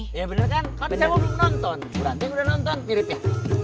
iya bener kan kalau di cewo belum nonton bu ranti yang udah nonton mirip ya